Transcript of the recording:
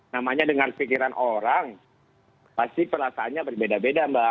namanya dengan pikiran orang pasti perasaannya berbeda beda mbak